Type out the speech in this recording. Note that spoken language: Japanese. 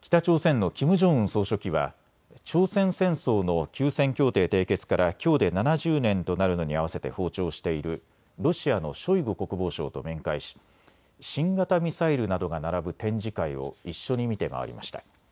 北朝鮮のキム・ジョンウン総書記は朝鮮戦争の休戦協定締結からきょうで７０年となるのに合わせて訪朝しているロシアのショイグ国防相と面会し新型ミサイルなどが並ぶ展示会を一緒に見て回りました。